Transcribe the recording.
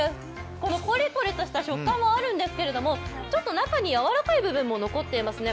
このコリコリとした食感もあるんですがちょっと中にやわらかい部分も残っていますね